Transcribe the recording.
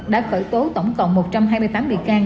đã khởi tố tổng cộng một trăm hai mươi tám bị can